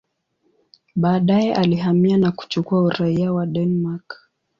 Baadaye alihamia na kuchukua uraia wa Denmark.